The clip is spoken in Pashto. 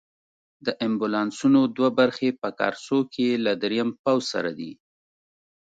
د امبولانسونو دوه برخې په کارسو کې له دریم پوځ سره دي.